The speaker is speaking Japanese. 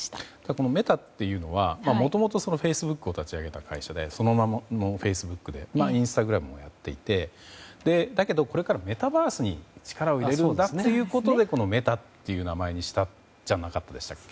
このメタっていうのはもともとフェイスブックを立ち上げた会社でその名もフェイスブックでインスタグラムもやっていてだけどこれからメタバースに力を入れるんだということでメタという名前にしたんじゃなかったでしたっけ。